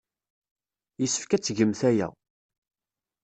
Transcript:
Yessefk ad tgemt aya.